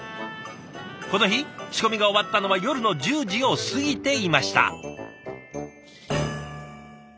この日仕込みが終わったのは夜の１０時を過ぎていました。